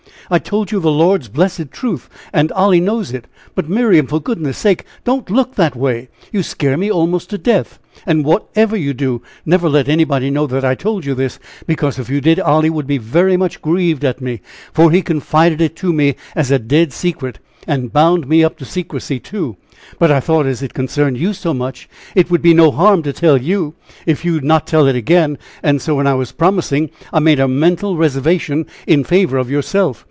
"I told you the Lord's blessed truth, and Oily knows it. But Miriam, for goodness sake don't look that way you scare me almost to death! And, whatever you do, never let anybody know that I told you this; because, if you did, Olly would be very much grieved at me; for he confided it to me as a dead secret, and bound me up to secrecy, too; but I thought as it concerned you so much, it would be no harm to tell you, if you would not tell it again; and so when I was promising, I made a mental reservation in favor of yourself.